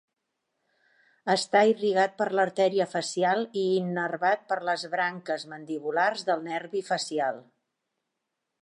Està irrigat per l'artèria facial i innervat per les branques mandibulars del nervi facial.